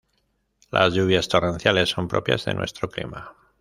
Las lluvias torrenciales son propias de nuestro clima